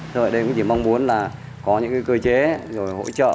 rồi ở đây cũng chỉ mong muốn là có những cơ chế rồi hỗ trợ